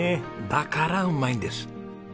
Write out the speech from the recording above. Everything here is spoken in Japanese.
だからうまいんです。